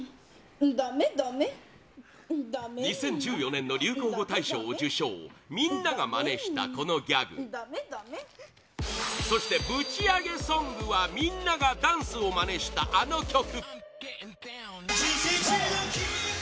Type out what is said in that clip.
２０１４年の流行語大賞を受賞みんながまねしたこのギャグそして、ぶちアゲげソングはみんながダンスをまねしたあの曲！